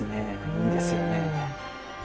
いいですよね。